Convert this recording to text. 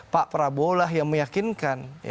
pak prabowo lah yang meyakinkan